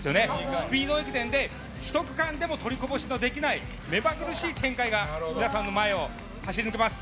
スピード駅伝で１区間でも取りこぼしのできない目まぐるしい展開が皆さんの前を走り抜けます。